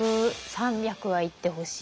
３００はいってほしい。